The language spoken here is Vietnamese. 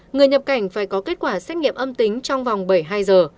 người nhập cảnh phải có kết quả xét nghiệm âm tính trong vòng bảy mươi hai giờ